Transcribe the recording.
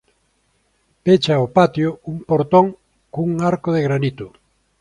Pecha o patio un portón cun arco de granito.